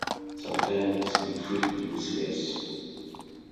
Sometimes, you feel useless.